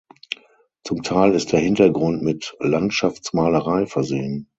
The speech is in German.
Zum Teil ist der Hintergrund mit Landschaftsmalerei versehen.